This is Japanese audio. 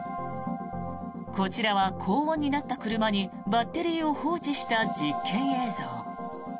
こちらは高温になった車にバッテリーを放置した実験映像。